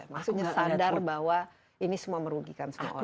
maksudnya sadar bahwa ini semua merugikan semua orang